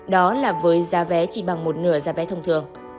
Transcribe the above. đó là với giá vé chỉ bằng một nửa giá vé thông thường